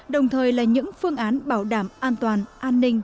đồng thời là những phương án bảo đảm an toàn an ninh